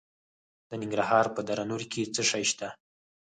د ننګرهار په دره نور کې څه شی شته؟